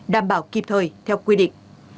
đảm bảo kịp thời theo quy định